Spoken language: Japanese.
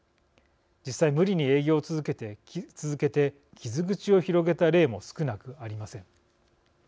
実際、無理に営業を続けて傷口を広げた例も少なくありません。